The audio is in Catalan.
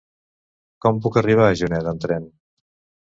Com puc arribar a Juneda amb tren?